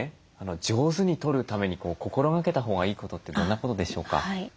上手にとるために心がけたほうがいいことってどんなことでしょうか？